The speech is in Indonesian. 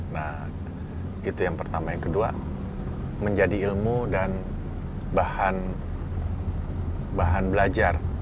nah itu yang pertama yang kedua menjadi ilmu dan bahan belajar